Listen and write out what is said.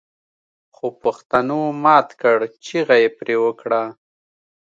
خوپښتنو مات کړ چيغه يې پرې وکړه